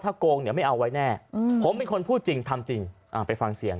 โกงเนี่ยไม่เอาไว้แน่ผมเป็นคนพูดจริงทำจริงไปฟังเสียง